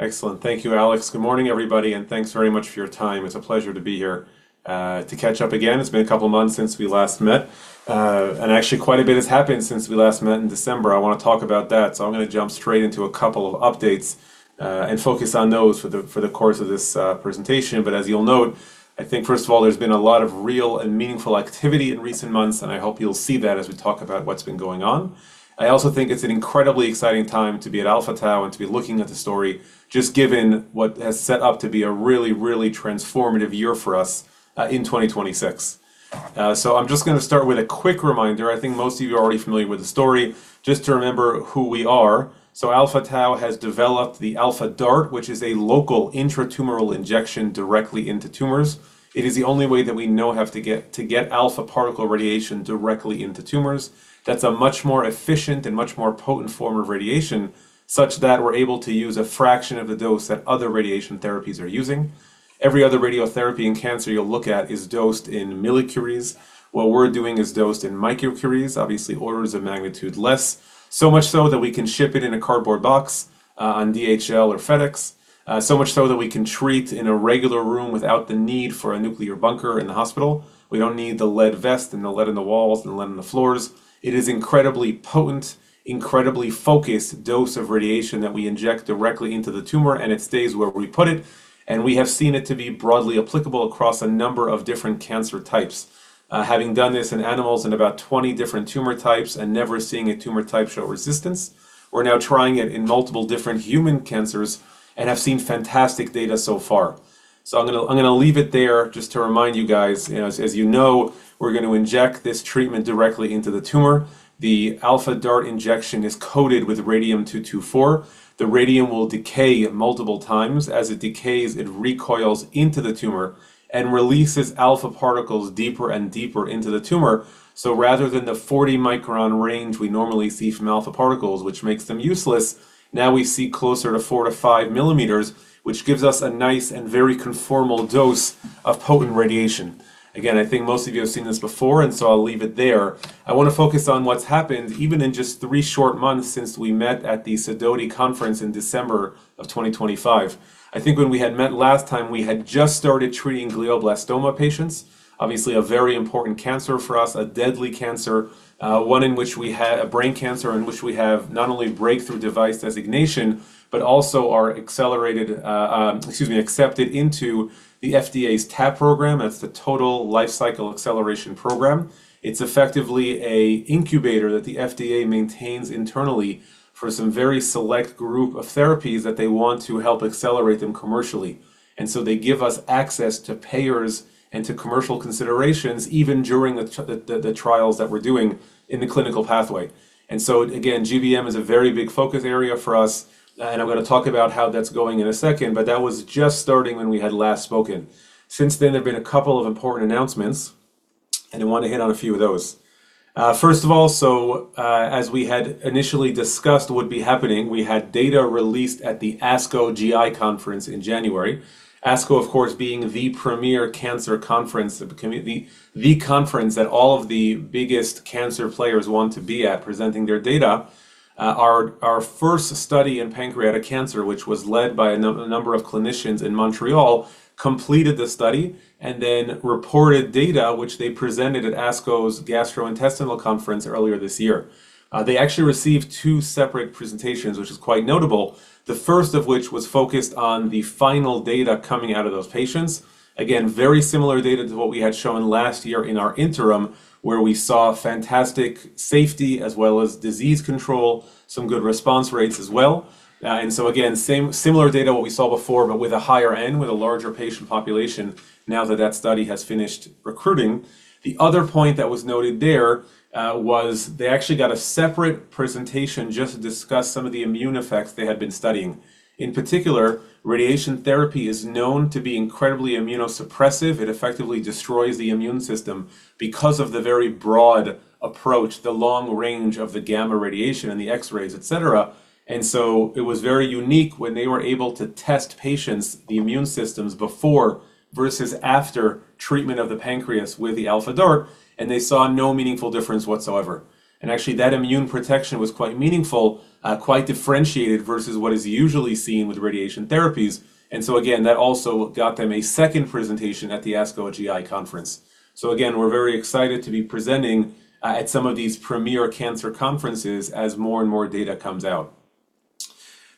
Excellent. Thank you, Alex. Good morning, everybody, and thanks very much for your time. It's a pleasure to be here, to catch up again. It's been a couple of months since we last met. Actually quite a bit has happened since we last met in December. I wanna talk about that. I'm gonna jump straight into a couple of updates, and focus on those for the course of this presentation. As you'll note, I think, first of all, there's been a lot of real and meaningful activity in recent months, and I hope you'll see that as we talk about what's been going on. I also think it's an incredibly exciting time to be at Alpha Tau and to be looking at the story just given what has set up to be a really, really transformative year for us in 2026. I'm just gonna start with a quick reminder. I think most of you are already familiar with the story, just to remember who we are. Alpha Tau has developed the Alpha DaRT, which is a local intratumoral injection directly into tumors. It is the only way that we know how to get alpha particle radiation directly into tumors. That's a much more efficient and much more potent form of radiation, such that we're able to use a fraction of the dose that other radiation therapies are using. Every other radiotherapy in cancer you'll look at is dosed in millicuries. What we're doing is dosed in microcuries, obviously orders of magnitude less. So much so that we can ship it in a cardboard box on DHL or FedEx. So much so that we can treat in a regular room without the need for a nuclear bunker in the hospital. We don't need the lead vest and the lead in the walls and the lead in the floors. It is incredibly potent, incredibly focused dose of radiation that we inject directly into the tumor, and it stays where we put it. We have seen it to be broadly applicable across a number of different cancer types. Having done this in animals in about 20 different tumor types and never seeing a tumor type show resistance, we're now trying it in multiple different human cancers and have seen fantastic data so far. I'm gonna leave it there just to remind you guys, as you know, we're gonna inject this treatment directly into the tumor. The Alpha DaRT injection is coated with radium-224. The radium will decay multiple times. As it decays, it recoils into the tumor and releases alpha particles deeper and deeper into the tumor. Rather than the 40-micron range we normally see from alpha particles, which makes them useless, now we see closer to 4-5 millimeters, which gives us a nice and very conformal dose of potent radiation. Again, I think most of you have seen this before, and so I'll leave it there. I wanna focus on what's happened even in just three short months since we met at the Sidoti conference in December 2025. I think when we had met last time, we had just started treating glioblastoma patients. Obviously, a very important cancer for us, a deadly cancer, one in which a brain cancer in which we have not only Breakthrough Device Designation but also are accepted into the FDA's TAP program. That's the Total Product Lifecycle Advisory Program. It's effectively an incubator that the FDA maintains internally for some very select group of therapies that they want to help accelerate them commercially. They give us access to payers and to commercial considerations even during the trials that we're doing in the clinical pathway. GBM is a very big focus area for us, and I'm gonna talk about how that's going in a second, but that was just starting when we had last spoken. Since then, there have been a couple of important announcements, and I want to hit on a few of those. First of all, as we had initially discussed would be happening, we had data released at the ASCO GI conference in January. ASCO, of course, being the premier cancer conference, the conference that all of the biggest cancer players want to be at presenting their data. Our first study in pancreatic cancer, which was led by a number of clinicians in Montreal, completed the study and then reported data which they presented at ASCO's Gastrointestinal Conference earlier this year. They actually received two separate presentations, which is quite notable. The first of which was focused on the final data coming out of those patients. Again, very similar data to what we had shown last year in our interim, where we saw fantastic safety as well as disease control, some good response rates as well. Again, similar data to what we saw before, but with a higher n, with a larger patient population now that study has finished recruiting. The other point that was noted there was they actually got a separate presentation just to discuss some of the immune effects they had been studying. In particular, radiation therapy is known to be incredibly immunosuppressive. It effectively destroys the immune system because of the very broad approach, the long range of the gamma radiation and the X-rays, et cetera. It was very unique when they were able to test patients, the immune systems before versus after treatment of the pancreas with the Alpha DaRT, and they saw no meaningful difference whatsoever. Actually, that immune protection was quite meaningful, quite differentiated versus what is usually seen with radiation therapies. Again, that also got them a second presentation at the ASCO GI conference. Again, we're very excited to be presenting at some of these premier cancer conferences as more and more data comes out.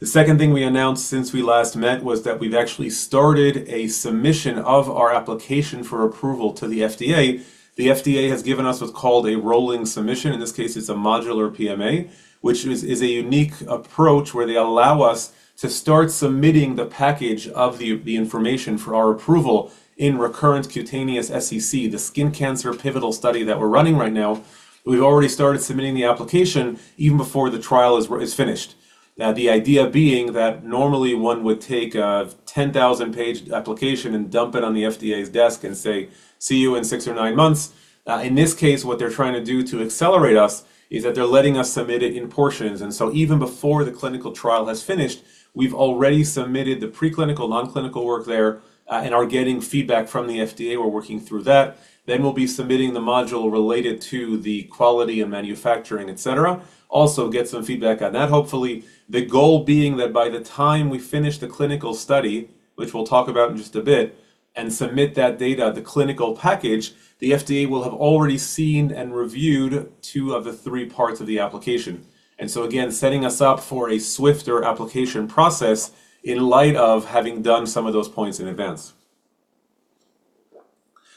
The second thing we announced since we last met was that we've actually started a submission of our application for approval to the FDA. The FDA has given us what's called a rolling submission. In this case, it's a Modular PMA, which is a unique approach where they allow us to start submitting the package of the information for our approval in recurrent cutaneous SCC, the skin cancer pivotal study that we're running right now. We've already started submitting the application even before the trial is finished. The idea being that normally one would take a 10,000-page application and dump it on the FDA's desk and say, "See you in six or nine months." In this case, what they're trying to do to accelerate us is that they're letting us submit it in portions. Even before the clinical trial has finished, we've already submitted the preclinical, nonclinical work there, and are getting feedback from the FDA. We're working through that. We'll be submitting the module related to the quality and manufacturing, et cetera. Also get some feedback on that. Hopefully, the goal being that by the time we finish the clinical study, which we'll talk about in just a bit and submit that data, the clinical package, the FDA will have already seen and reviewed two of the three parts of the application. Again, setting us up for a swifter application process in light of having done some of those points in advance.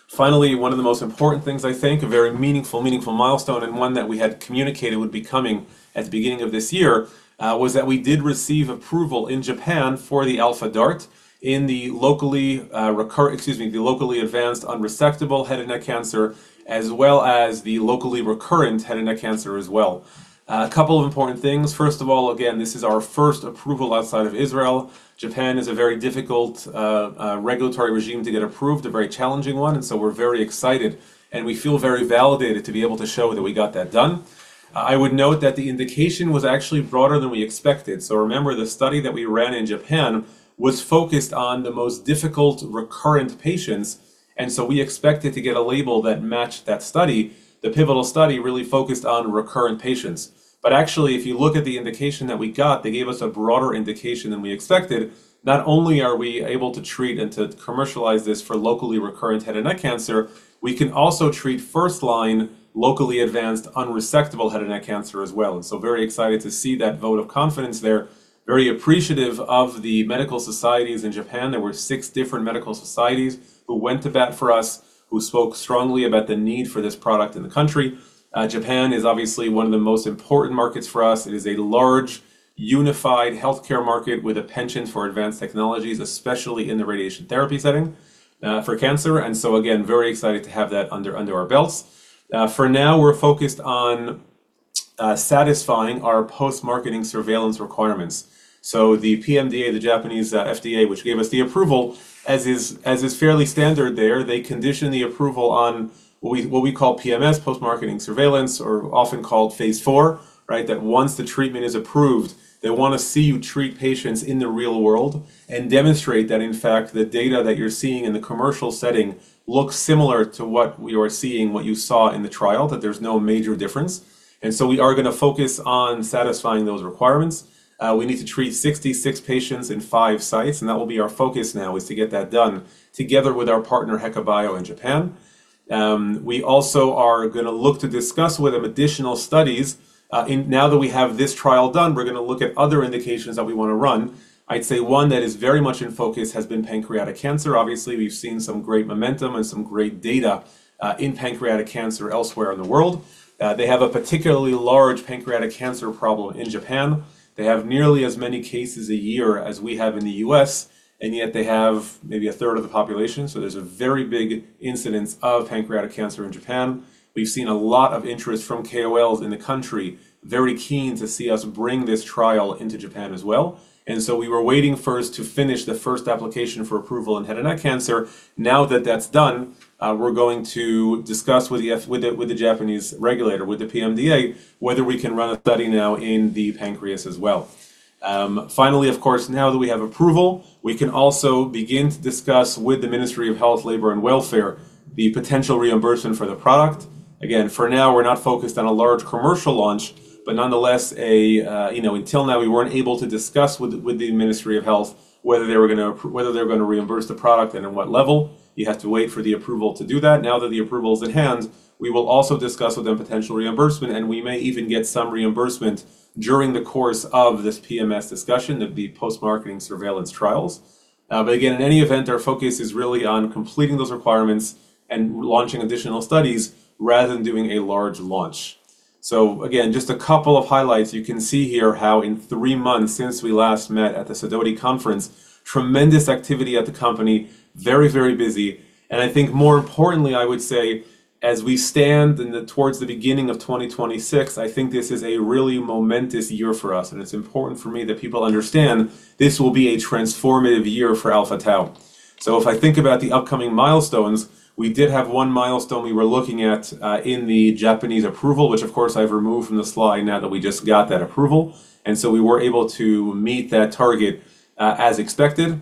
Finally, one of the most important things, I think, a very meaningful milestone and one that we had communicated would be coming at the beginning of this year, was that we did receive approval in Japan for the Alpha DaRT in the locally advanced unresectable head and neck cancer as well as the locally recurrent head and neck cancer as well. A couple of important things. First of all, again, this is our first approval outside of Israel. Japan is a very difficult regulatory regime to get approved, a very challenging one, and so we're very excited, and we feel very validated to be able to show that we got that done. I would note that the indication was actually broader than we expected. Remember, the study that we ran in Japan was focused on the most difficult recurrent patients, and so we expected to get a label that matched that study. The pivotal study really focused on recurrent patients. Actually, if you look at the indication that we got, they gave us a broader indication than we expected. Not only are we able to treat and to commercialize this for locally recurrent head and neck cancer, we can also treat first-line locally advanced unresectable head and neck cancer as well. Very excited to see that vote of confidence there. Very appreciative of the medical societies in Japan. There were six different medical societies who went to bat for us, who spoke strongly about the need for this product in the country. Japan is obviously one of the most important markets for us. It is a large, unified healthcare market with a penchant for advanced technologies, especially in the radiation therapy setting, for cancer. Very excited to have that under our belts. For now, we're focused on satisfying our post-marketing surveillance requirements. The PMDA, the Japanese FDA, which gave us the approval, as is fairly standard there, they condition the approval on what we call PMS, post-marketing surveillance, or often called Phase IV, right? That once the treatment is approved, they wanna see you treat patients in the real world and demonstrate that, in fact, the data that you're seeing in the commercial setting looks similar to what you are seeing, what you saw in the trial, that there's no major difference. We are gonna focus on satisfying those requirements. We need to treat 66 patients in five sites, and that will be our focus now is to get that done together with our partner, HekaBio, in Japan. We also are gonna look to discuss with them additional studies. Now that we have this trial done, we're gonna look at other indications that we wanna run. I'd say one that is very much in focus has been pancreatic cancer. Obviously, we've seen some great momentum and some great data in pancreatic cancer elsewhere in the world. They have a particularly large pancreatic cancer problem in Japan. They have nearly as many cases a year as we have in the US, and yet they have maybe a third of the population, so there's a very big incidence of pancreatic cancer in Japan. We've seen a lot of interest from KOLs in the country, very keen to see us bring this trial into Japan as well. We were waiting first to finish the first application for approval in head and neck cancer. Now that that's done, we're going to discuss with the Japanese regulator, with the PMDA, whether we can run a study now in the pancreas as well. Finally, of course, now that we have approval, we can also begin to discuss with the Ministry of Health, Labor, and Welfare the potential reimbursement for the product. Again, for now, we're not focused on a large commercial launch, but nonetheless, until now, we weren't able to discuss with the Ministry of Health whether they were gonna reimburse the product and at what level. You have to wait for the approval to do that. Now that the approval is at hand, we will also discuss with them potential reimbursement, and we may even get some reimbursement during the course of this PMS discussion of the post-marketing surveillance trials. In any event, our focus is really on completing those requirements and launching additional studies rather than doing a large launch. Again, just a couple of highlights. You can see here how in three months since we last met at the Sidoti Conference, tremendous activity at the company, very, very busy. I think more importantly, I would say, as we stand towards the beginning of 2026, I think this is a really momentous year for us, and it's important for me that people understand this will be a transformative year for Alpha Tau. If I think about the upcoming milestones, we did have one milestone we were looking at in the Japanese approval, which of course I've removed from the slide now that we just got that approval. We were able to meet that target as expected.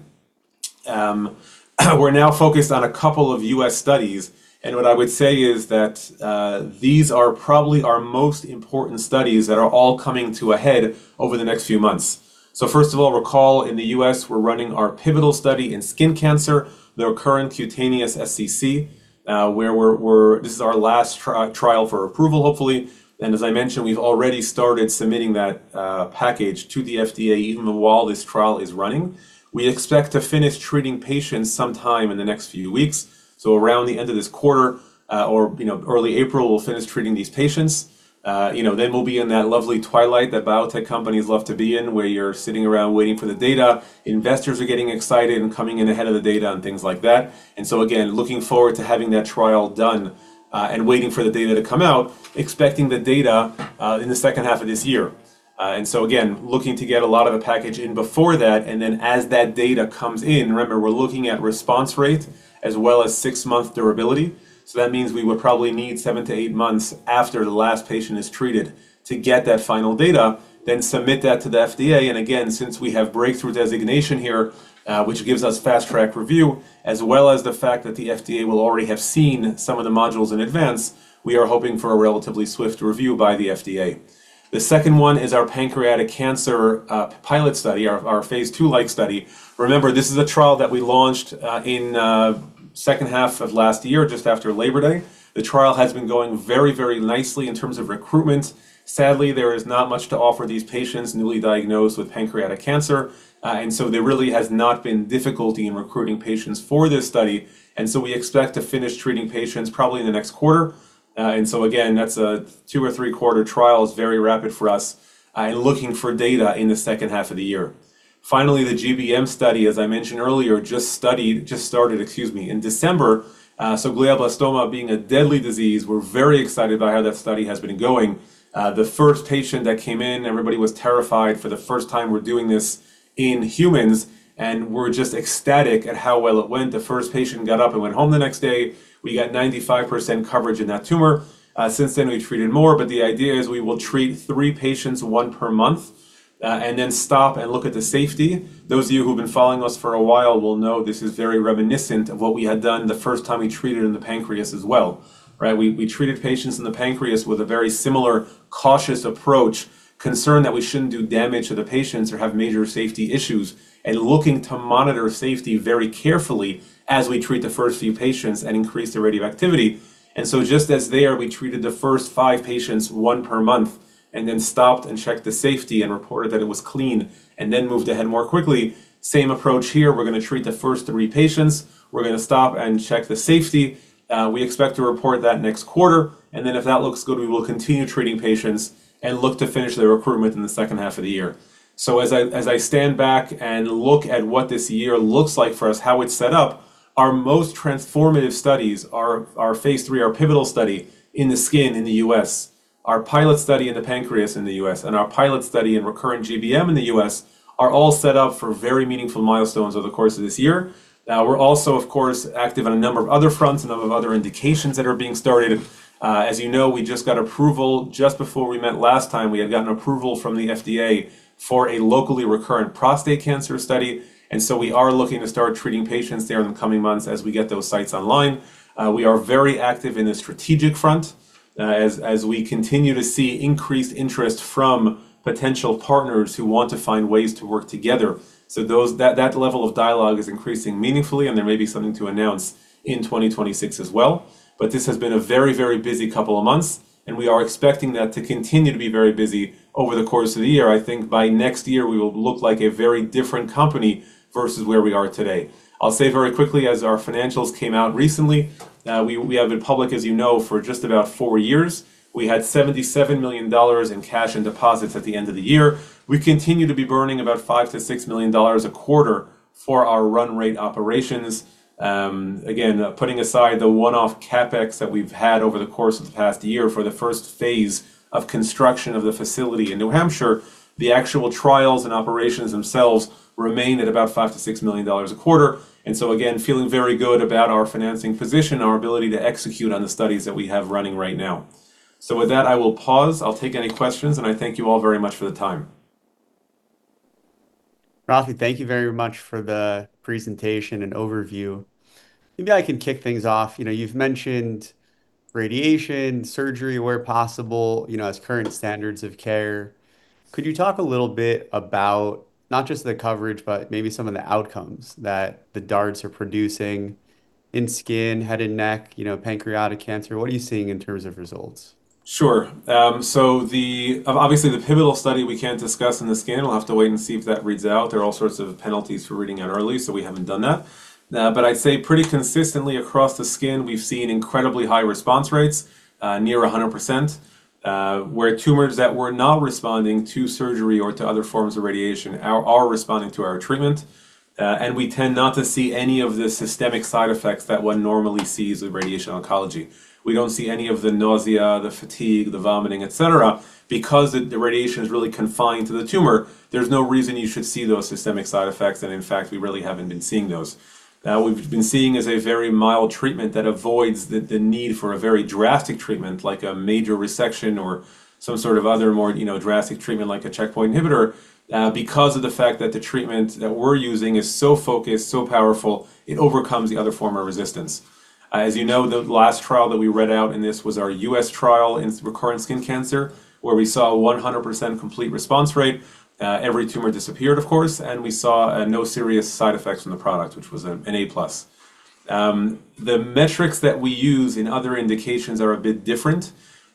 We're now focused on a couple of US studies, and what I would say is that these are probably our most important studies that are all coming to a head over the next few months. First of all, recall in the U.S., we're running our pivotal study in skin cancer, the recurrent cutaneous SCC, where we're. This is our last trial for approval, hopefully. As I mentioned, we've already started submitting that package to the FDA even while this trial is running. We expect to finish treating patients sometime in the next few weeks. Around the end of this quarter, or, you know, early April, we'll finish treating these patients. You know, then we'll be in that lovely twilight that biotech companies love to be in, where you're sitting around waiting for the data. Investors are getting excited and coming in ahead of the data and things like that. Again, looking forward to having that trial done, and waiting for the data to come out, expecting the data in the second half of this year. Again, looking to get a lot of the package in before that, and then as that data comes in, remember, we're looking at response rate as well as six-month durability. That means we would probably need 7-8 months after the last patient is treated to get that final data, then submit that to the FDA. Since we have breakthrough designation here, which gives us fast-track review, as well as the fact that the FDA will already have seen some of the modules in advance, we are hoping for a relatively swift review by the FDA. The second one is our pancreatic cancer pilot study, our phase two-like study. Remember, this is a trial that we launched in second half of last year just after Labor Day. The trial has been going very, very nicely in terms of recruitment. Sadly, there is not much to offer these patients newly diagnosed with pancreatic cancer, and so there really has not been difficulty in recruiting patients for this study, and so we expect to finish treating patients probably in the next quarter. Again, that's a two or three-quarter trial. It's very rapid for us, and looking for data in the second half of the year. Finally, the GBM study, as I mentioned earlier, just started, excuse me, in December. Glioblastoma being a deadly disease, we're very excited by how that study has been going. The first patient that came in, everybody was terrified. For the first time, we're doing this in humans, and we're just ecstatic at how well it went. The first patient got up and went home the next day. We got 95% coverage in that tumor. Since then, we treated more, but the idea is we will treat three patients, one per month, and then stop and look at the safety. Those of you who've been following us for a while will know this is very reminiscent of what we had done the first time we treated in the pancreas as well, right? We treated patients in the pancreas with a very similar cautious approach, concerned that we shouldn't do damage to the patients or have major safety issues, and looking to monitor safety very carefully as we treat the first few patients and increase the radioactivity. Just as there, we treated the first five patients, one per month, and then stopped and checked the safety and reported that it was clean, and then moved ahead more quickly. Same approach here. We're gonna treat the first three patients. We're gonna stop and check the safety. We expect to report that next quarter, and then if that looks good, we will continue treating patients and look to finish the recruitment in the second half of the year. As I stand back and look at what this year looks like for us, how it's set up, our most transformative studies, our phase 3, our pivotal study in the skin in the U.S., our pilot study in the pancreas in the U.S., and our pilot study in recurrent GBM in the U.S. are all set up for very meaningful milestones over the course of this year. We're also, of course, active on a number of other fronts, a number of other indications that are being started. As you know, we just got approval just before we met last time. We had gotten approval from the FDA for a locally recurrent prostate cancer study, and so we are looking to start treating patients there in the coming months as we get those sites online. We are very active in the strategic front, as we continue to see increased interest from potential partners who want to find ways to work together. That level of dialogue is increasing meaningfully, and there may be something to announce in 2026 as well. This has been a very busy couple of months, and we are expecting that to continue to be very busy over the course of the year. I think by next year we will look like a very different company versus where we are today. I'll say very quickly as our financials came out recently, we have been public, as you know, for just about four years. We had $77 million in cash and deposits at the end of the year. We continue to be burning about $5 million-$6 million a quarter for our run rate operations. Again, putting aside the one-off CapEx that we've had over the course of the past year for the first phase of construction of the facility in New Hampshire, the actual trials and operations themselves remain at about $5-$6 million a quarter. Again, feeling very good about our financing position, our ability to execute on the studies that we have running right now. With that, I will pause. I'll take any questions, and I thank you all very much for the time. Raphi, thank you very much for the presentation and overview. Maybe I can kick things off. You know, you've mentioned radiation, surgery where possible, you know, as current standards of care. Could you talk a little bit about not just the coverage, but maybe some of the outcomes that the DaRTs are producing in skin, head and neck, you know, pancreatic cancer? What are you seeing in terms of results? Sure. Obviously the pivotal study we can't discuss in the skin. We'll have to wait and see if that reads out. There are all sorts of penalties for reading out early, so we haven't done that. I'd say pretty consistently across the skin, we've seen incredibly high response rates, near 100%, where tumors that were not responding to surgery or to other forms of radiation are responding to our treatment, and we tend not to see any of the systemic side effects that one normally sees with radiation oncology. We don't see any of the nausea, the fatigue, the vomiting, et cetera, because the radiation is really confined to the tumor. There's no reason you should see those systemic side effects, and in fact, we really haven't been seeing those. What we've been seeing is a very mild treatment that avoids the need for a very drastic treatment like a major resection or some sort of other more, you know, drastic treatment like a checkpoint inhibitor, because of the fact that the treatment that we're using is so focused, so powerful, it overcomes the other form of resistance. As you know, the last trial that we read out in this was our US trial in recurrent skin cancer, where we saw 100% complete response rate. Every tumor disappeared, of course, and we saw no serious side effects from the product, which was an A plus. The metrics that we use in other indications are a bit different.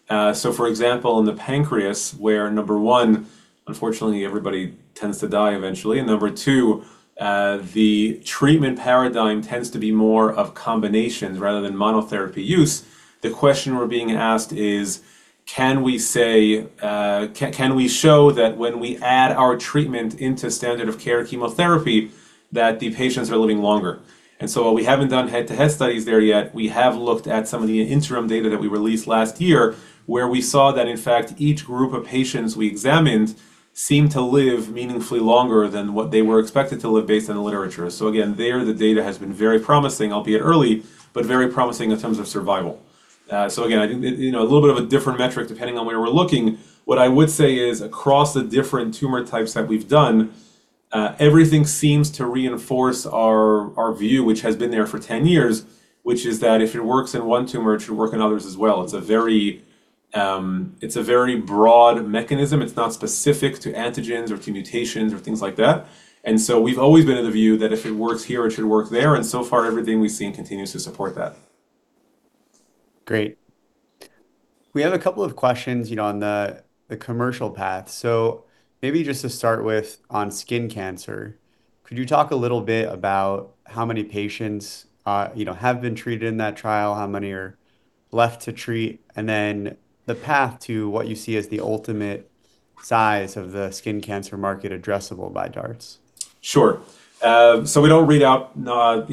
For example, in the pancreas, where number one, unfortunately everybody tends to die eventually, and number two, the treatment paradigm tends to be more of combinations rather than monotherapy use, the question we're being asked is, can we show that when we add our treatment into standard of care chemotherapy, that the patients are living longer? While we haven't done head-to-head studies there yet, we have looked at some of the interim data that we released last year, where we saw that, in fact, each group of patients we examined seemed to live meaningfully longer than what they were expected to live based on the literature. Again, there the data has been very promising, albeit early, but very promising in terms of survival. You know, a little bit of a different metric depending on where we're looking. What I would say is across the different tumor types that we've done, everything seems to reinforce our view, which has been there for 10 years, which is that if it works in one tumor, it should work in others as well. It's a very broad mechanism. It's not specific to antigens or to mutations or things like that. We've always been of the view that if it works here, it should work there, and so far everything we've seen continues to support that. Great. We have a couple of questions, you know, on the commercial path. Maybe just to start with on skin cancer, could you talk a little bit about how many patients, you know, have been treated in that trial, how many are left to treat, and then the path to what you see as the ultimate size of the skin cancer market addressable by DaRT? Sure. We don't read out, you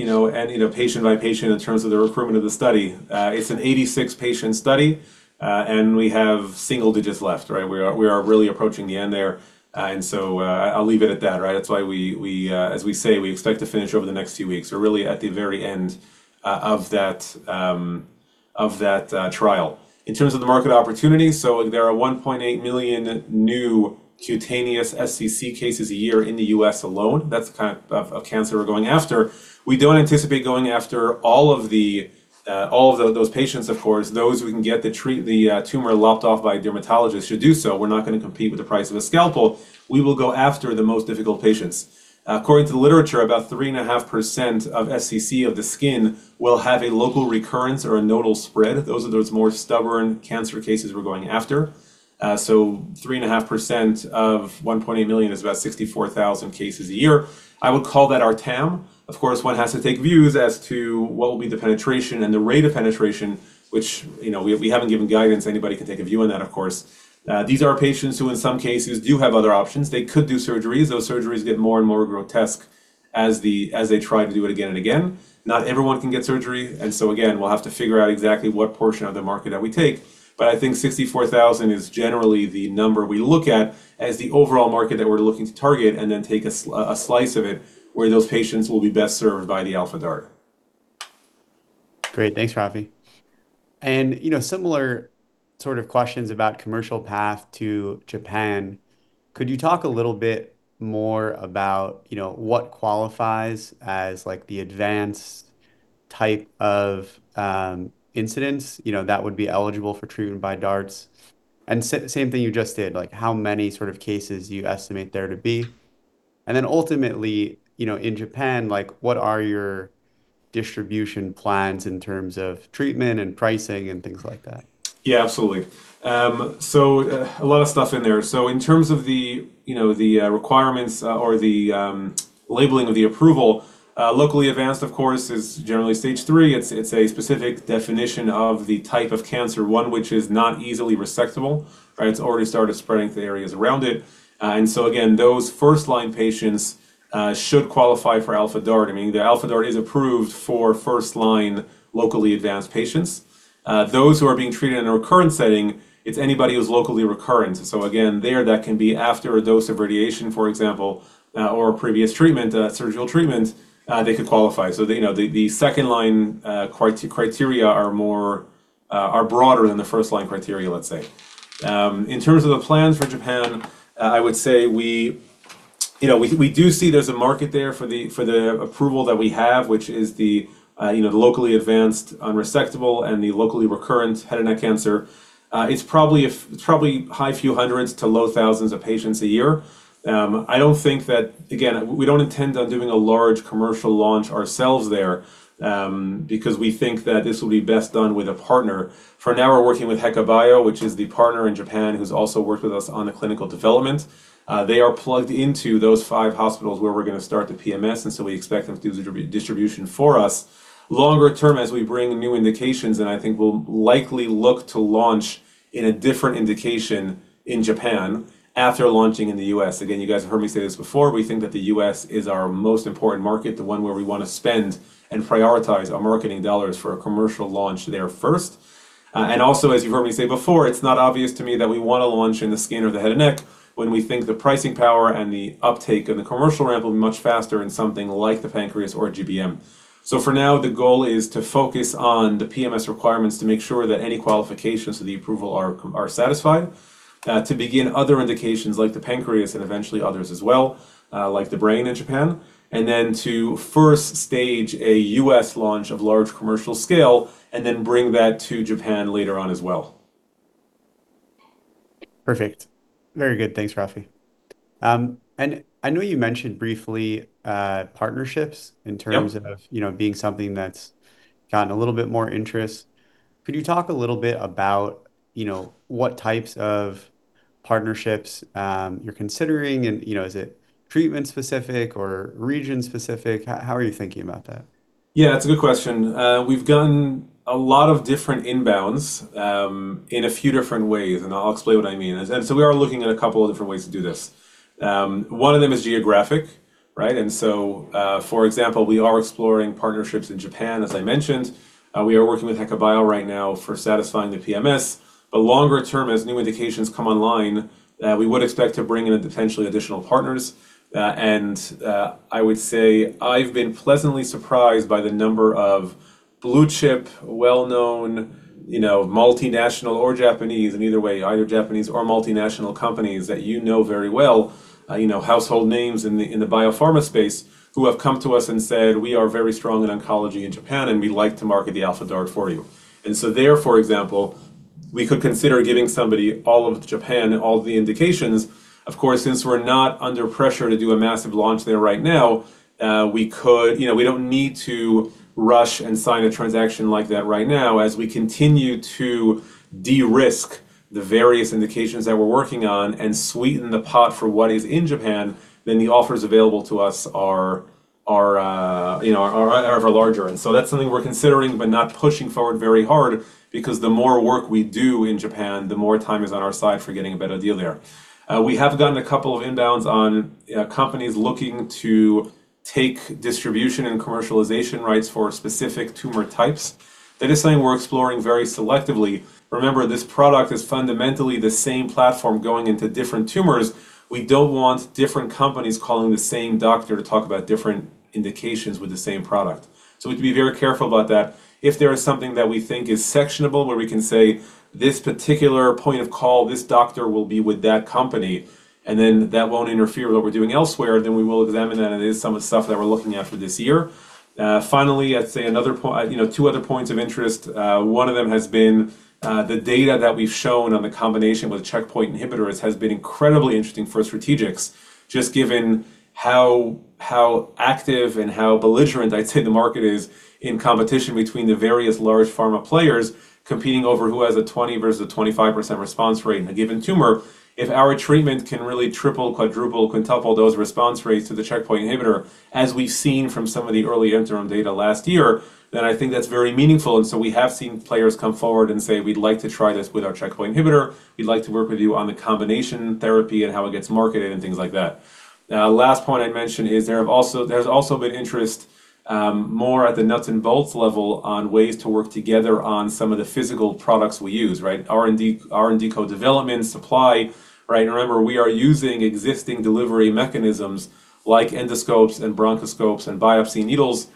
know, any, you know, patient by patient in terms of the recruitment of the study. It's an 86-patient study, and we have single digits left, right? We are really approaching the end there. I'll leave it at that, right? That's why, as we say, we expect to finish over the next few weeks. We're really at the very end of that trial. In terms of the market opportunity, there are 1.8 million new cutaneous SCC cases a year in the U.S. alone. That's the kind of cancer we're going after. We don't anticipate going after all of those patients, of course. Those we can get to treat the tumor lopped off by a dermatologist should do so. We're not gonna compete with the price of a scalpel. We will go after the most difficult patients. According to the literature, about 3.5% of SCC of the skin will have a local recurrence or a nodal spread. Those are the more stubborn cancer cases we're going after. So 3.5% of 1.8 million is about 64,000 cases a year. I would call that our TAM. Of course, one has to take views as to what will be the penetration and the rate of penetration, which we haven't given guidance. Anybody can take a view on that, of course. These are patients who in some cases do have other options. They could do surgeries. Those surgeries get more and more grotesque as they try to do it again and again. Not everyone can get surgery, and so again, we'll have to figure out exactly what portion of the market that we take. I think 64,000 is generally the number we look at as the overall market that we're looking to target and then take a slice of it where those patients will be best served by the Alpha DaRT. Great. Thanks, Raphi. You know, similar sort of questions about commercial path to Japan. Could you talk a little bit more about, you know, what qualifies as like the advanced type of indications, you know, that would be eligible for treatment by DaRT? Same thing you just did, like how many sort of cases you estimate there to be. Then ultimately, you know, in Japan, like what are your distribution plans in terms of treatment and pricing and things like that? Yeah, absolutely. A lot of stuff in there. In terms of, you know, the requirements or the labeling of the approval, locally advanced, of course, is generally stage three. It's a specific definition of the type of cancer, one which is not easily resectable, right? It's already started spreading to the areas around it. Again, those first-line patients should qualify for Alpha DaRT. I mean, the Alpha DaRT is approved for first-line locally advanced patients. Those who are being treated in a recurrent setting, it's anybody who's locally recurrent. Again, that can be after a dose of radiation, for example, or previous treatment, surgical treatment, they could qualify. They, you know, the second line criteria are broader than the first line criteria, let's say. In terms of the plans for Japan, I would say, you know, we do see there's a market there for the approval that we have, which is the locally advanced unresectable and the locally recurrent head and neck cancer. It's probably a few hundred to low thousands of patients a year. I don't think that, again, we don't intend on doing a large commercial launch ourselves there, because we think that this will be best done with a partner. For now, we're working with HekaBio, which is the partner in Japan who's also worked with us on the clinical development. They are plugged into those five hospitals where we're gonna start the PMS, and so we expect them to do the distribution for us. Longer term, as we bring new indications in, I think we'll likely look to launch in a different indication in Japan after launching in the U.S. Again, you guys have heard me say this before, we think that the U.S. is our most important market, the one where we want to spend and prioritize our marketing dollars for a commercial launch there first. As you've heard me say before, it's not obvious to me that we want to launch in the skin or the head and neck when we think the pricing power and the uptake and the commercial ramp will be much faster in something like the pancreas or GBM. For now, the goal is to focus on the PMS requirements to make sure that any qualifications for the approval are satisfied, to begin other indications like the pancreas and eventually others as well, like the brain in Japan. Then to first stage a U.S. launch of large commercial scale, and then bring that to Japan later on as well. Perfect. Very good. Thanks, Raphi. I know you mentioned briefly partnerships. Yep In terms of, you know, being something that's gotten a little bit more interest. Could you talk a little bit about, you know, what types of partnerships you're considering and, you know, is it treatment specific or region specific? How are you thinking about that? Yeah, it's a good question. We've gotten a lot of different inbounds in a few different ways, and I'll explain what I mean. We are looking at a couple of different ways to do this. One of them is geographic, right? For example, we are exploring partnerships in Japan, as I mentioned. We are working with HekaBio right now for satisfying the PMS. Longer term, as new indications come online, we would expect to bring in potentially additional partners. I would say I've been pleasantly surprised by the number of blue-chip, well-known, you know, multinational or Japanese, and either way, either Japanese or multinational companies that you know very well, you know, household names in the biopharma space who have come to us and said, "We are very strong in oncology in Japan, and we'd like to market the Alpha DaRT for you." There, for example, we could consider giving somebody all of Japan, all the indications. Of course, since we're not under pressure to do a massive launch there right now, we could. You know, we don't need to rush and sign a transaction like that right now. As we continue to de-risk the various indications that we're working on and sweeten the pot for what is in Japan, then the offers available to us are ever larger. That's something we're considering, but not pushing forward very hard because the more work we do in Japan, the more time is on our side for getting a better deal there. We have gotten a couple of inbounds on companies looking to take distribution and commercialization rights for specific tumor types. That is something we're exploring very selectively. Remember, this product is fundamentally the same platform going into different tumors. We don't want different companies calling the same doctor to talk about different indications with the same product. We have to be very careful about that. If there is something that we think is sectionable where we can say, "This particular point of call, this doctor will be with that company," and then that won't interfere with what we're doing elsewhere, then we will examine that, and it is some of the stuff that we're looking at for this year. Finally, I'd say another, you know, two other points of interest. One of them has been, the data that we've shown on the combination with checkpoint inhibitors has been incredibly interesting for strategics, just given how active and how belligerent I'd say the market is in competition between the various large pharma players competing over who has a 20 versus a 25% response rate in a given tumor. If our treatment can really triple, quadruple, quintuple those response rates to the checkpoint inhibitor, as we've seen from some of the early interim data last year, then I think that's very meaningful. We have seen players come forward and say, "We'd like to try this with our checkpoint inhibitor. We'd like to work with you on the combination therapy and how it gets marketed," and things like that. Now, last point I'd mention is there's also been interest, more at the nuts and bolts level on ways to work together on some of the physical products we use, right? R&D co-development, supply, right? Remember, we are using existing delivery mechanisms like endoscopes and bronchoscopes and biopsy needles.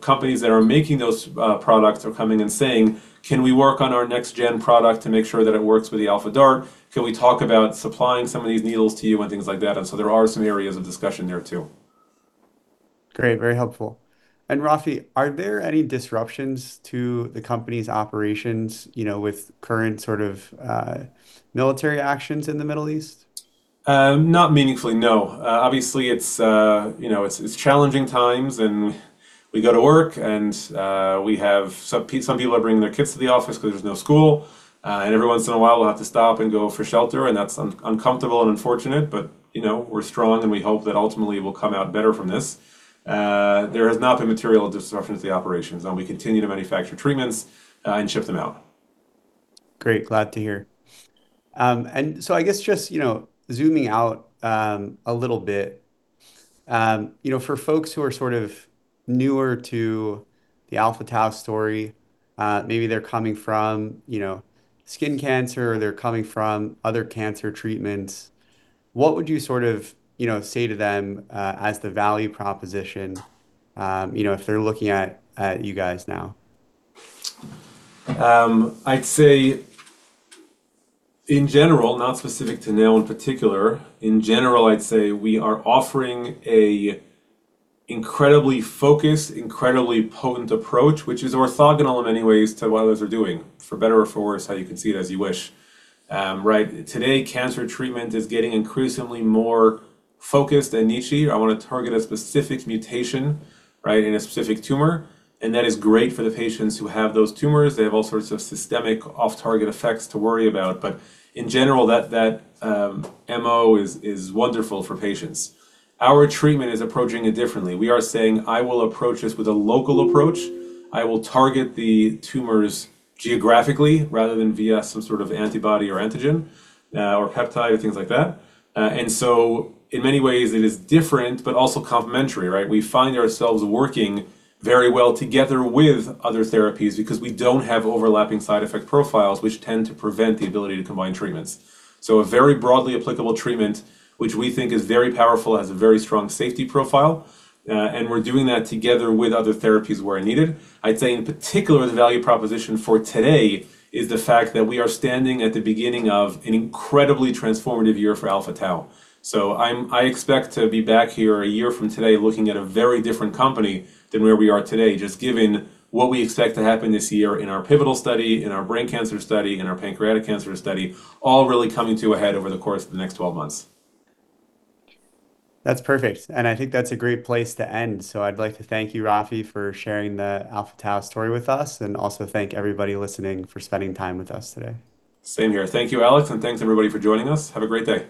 Companies that are making those products are coming and saying, "Can we work on our next gen product to make sure that it works with the Alpha DaRT? Can we talk about supplying some of these needles to you?" and things like that. There are some areas of discussion there too. Great. Very helpful. Raphi, are there any disruptions to the company's operations, you know, with current sort of military actions in the Middle East? Not meaningfully, no. Obviously, it's you know, it's challenging times, and we go to work, and we have some people are bringing their kids to the office 'cause there's no school. Every once in a while we'll have to stop and go for shelter, and that's uncomfortable and unfortunate, but you know, we're strong, and we hope that ultimately we'll come out better from this. There has not been material disruptions to the operations. We continue to manufacture treatments and ship them out. Great. Glad to hear. I guess just, you know, zooming out a little bit, you know, for folks who are sort of newer to the Alpha Tau story, maybe they're coming from, you know, skin cancer or they're coming from other cancer treatments, what would you sort of, you know, say to them as the value proposition, you know, if they're looking at you guys now? I'd say in general, not specific to Neil in particular, in general, I'd say we are offering an incredibly focused, incredibly potent approach, which is orthogonal in many ways to what others are doing, for better or for worse, how you can see it as you wish. Right today, cancer treatment is getting increasingly more focused and niche-y. I wanna target a specific mutation, right, in a specific tumor, and that is great for the patients who have those tumors. They have all sorts of systemic off-target effects to worry about. But in general, that MO is wonderful for patients. Our treatment is approaching it differently. We are saying, "I will approach this with a local approach. I will target the tumors geographically rather than via some sort of antibody or antigen, or peptide or things like that." In many ways it is different but also complementary, right? We find ourselves working very well together with other therapies because we don't have overlapping side effect profiles which tend to prevent the ability to combine treatments. A very broadly applicable treatment, which we think is very powerful, has a very strong safety profile, and we're doing that together with other therapies where needed. I'd say in particular, the value proposition for today is the fact that we are standing at the beginning of an incredibly transformative year for Alpha Tau. I expect to be back here a year from today looking at a very different company than where we are today, just given what we expect to happen this year in our pivotal study, in our brain cancer study, in our pancreatic cancer study, all really coming to a head over the course of the next 12 months. That's perfect, and I think that's a great place to end. I'd like to thank you, Raphi, for sharing the Alpha Tau story with us, and also thank everybody listening for spending time with us today. Same here. Thank you, Alex, and thanks everybody for joining us. Have a great day.